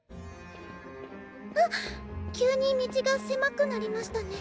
あっ急に道が狭くなりましたね。